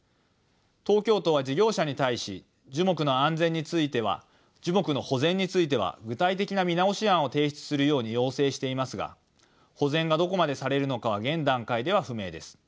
東京都は事業者に対し樹木の保全については具体的な見直し案を提出するように要請していますが保全がどこまでされるのかは現段階では不明です。